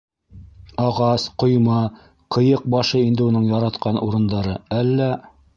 Ағас, ҡойма, ҡыйыҡ башы инде уның яраткан урындары, әллә...